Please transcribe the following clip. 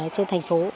trên thành phố